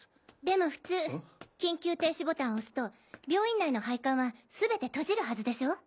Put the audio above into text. でも普通緊急停止ボタンを押すと病院内の配管は全て閉じるはずでしょう？